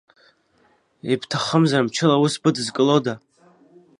Ибҭахымзар мчыла аус быдызкылода.